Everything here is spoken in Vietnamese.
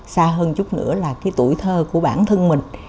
xa hơn chút nữa là cái tuổi thơ của bản thân mình